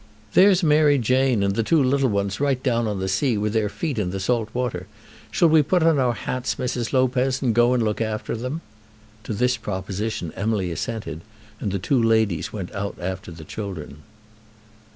There's Mary Jane and the two little ones right down on the sea, with their feet in the salt water. Shall we put on our hats, Mrs. Lopez, and go and look after them?" To this proposition Emily assented, and the two ladies went out after the children.